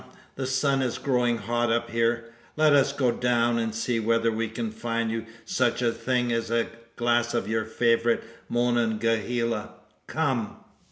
The sun is growing hot up here. Let as go down, and see whether we can find you such a thing as a glass of your favourite Monongahela. Come!"